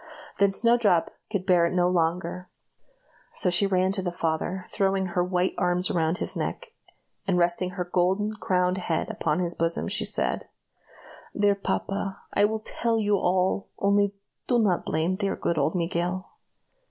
Then Snowdrop could bear it no longer, so she ran to the father throwing her white arms around his neck, and resting her golden crowned head upon his bosom, she said: "Dear papa, I will tell you all! Only do not blame dear, good old Miguel."